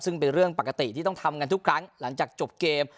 ซึ่งเป็นเรื่องปกติที่ต้องทำกันทุกครั้งหลังจากจบเกม